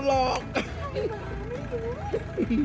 กินข้าวขอบคุณครับ